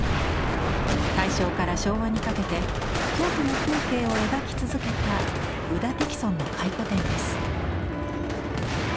大正から昭和にかけて京都の風景を描き続けた宇田荻の回顧展です。